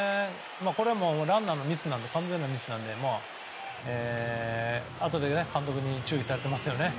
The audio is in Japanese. これはランナーの完全なミスなのであとで監督に注意されてますよね。